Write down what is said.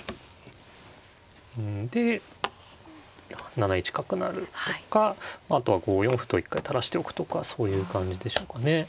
うんで７一角成とかあとは５四歩と一回垂らしておくとかそういう感じでしょうかね。